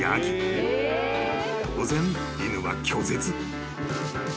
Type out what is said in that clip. ［当然犬は拒絶］